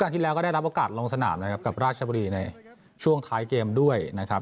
ที่แล้วก็ได้รับโอกาสลงสนามนะครับกับราชบุรีในช่วงท้ายเกมด้วยนะครับ